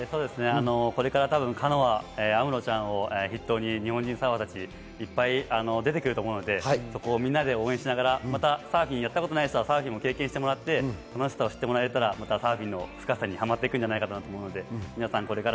これからカノア、有夢路ちゃんを筆頭に、日本人サーファーたちが出てくると思うので、そこをみんなで応援しながら、サーフィンやったことない人は経験してもらって、楽しさを知ってもらえたらサーフィンの深さにはまっていくんじゃないかなと思います。